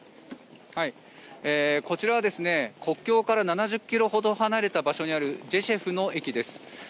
こちらは国境から７０ｋｍほど離れた場所にあるジェシュフの駅です。